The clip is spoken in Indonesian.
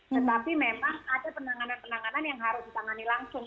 tetapi memang ada penanganan penanganan yang harus ditangani langsung